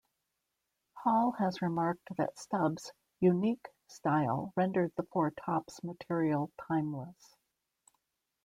Hall has remarked that Stubbs' "unique" style rendered the Four Tops' material "timeless".